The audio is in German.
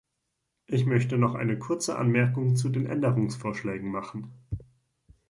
Ich möchte noch eine kurze Anmerkung zu den Änderungsvorschlägen machen.